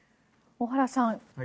小原さん